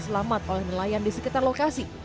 selamat oleh nelayan di sekitar lokasi